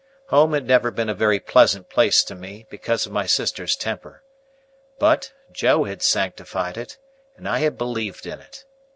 Home had never been a very pleasant place to me, because of my sister's temper. But, Joe had sanctified it, and I had believed in it.